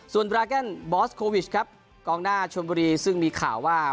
ส่วนดราแกนบอสโควิชครับกองหน้าชนบุรีซึ่งมีข่าวว่า